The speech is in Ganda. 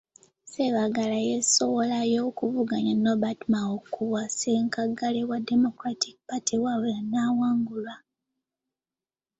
Ssebaggala yeesowolayo okuvuganya Norbert Mao ku bwa Ssenkaggale bwa Democratic Party wabula n'awangulwa.